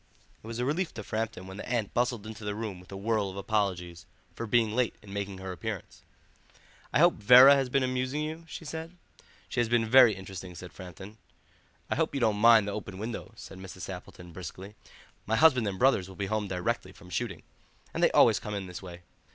It was a relief to Framton when the aunt bustled into the room with a whirl of apologies for being late in making her appearance. "I hope Vera has been amusing you?" she said. "She has been very interesting," said Framton. "I hope you don't mind the open window," said Mrs. Sappleton briskly; "my husband and brothers will be home directly from shooting, and they always come in this way.